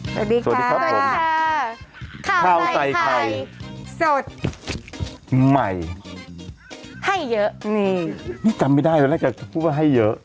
สวัสดีค่ะสวัสดีครับผมค่ะข้าวใส่ไข่สดใหม่ให้เยอะนี่นี่จำไม่ได้ตอนแรกจะพูดว่าให้เยอะ